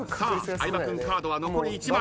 相葉君カードは残り１枚。